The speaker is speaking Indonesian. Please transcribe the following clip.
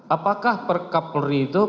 apakah per kapolri itu